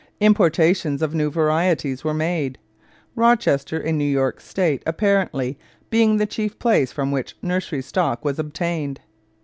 Importations of new varieties were made, Rochester, in New York State, apparently being the chief place from which nursery stock was obtained.